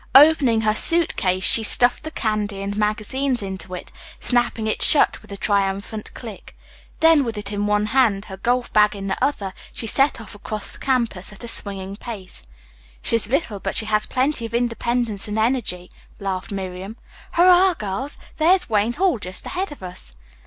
Opening her suit case she stuffed the candy and magazines into it, snapping it shut with a triumphant click. Then with it in one hand, her golf bag in the other, she set off across the campus at a swinging pace. "She's little, but she has plenty of independence and energy," laughed Miriam. "Hurrah, girls, there's Wayne Hall just ahead of us."